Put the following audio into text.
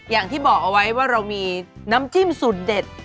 อย่างที่บอกเอาไว้ว่าเรามีน้ำจิ้มสูตรเด็ด